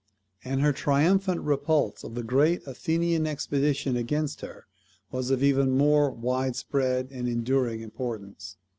And her triumphant repulse of the great Athenian expedition against her was of even more wide spread and enduring importance.